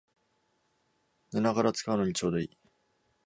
寝ながら使うのにちょうどいい